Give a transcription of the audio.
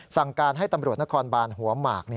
สั่งการให้ตำรวจนครบานหัวหมาก